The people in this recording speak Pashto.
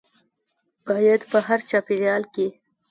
باید په هر چاپیریال کې